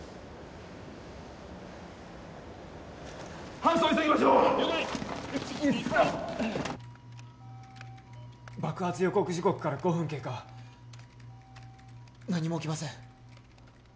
搬送を急ぎましょう了解１２３爆発予告時刻から５分経過何も起きません